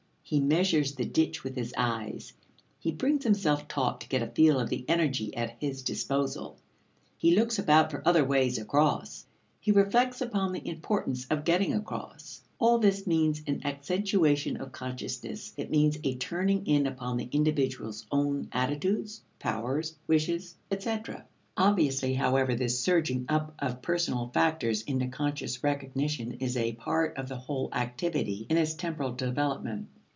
He measures the ditch with his eyes; he brings himself taut to get a feel of the energy at his disposal; he looks about for other ways across, he reflects upon the importance of getting across. All this means an accentuation of consciousness; it means a turning in upon the individual's own attitudes, powers, wishes, etc. Obviously, however, this surging up of personal factors into conscious recognition is a part of the whole activity in its temporal development.